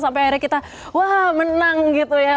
sampai akhirnya kita wah menang gitu ya